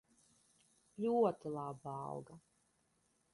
Ļoti laba alga.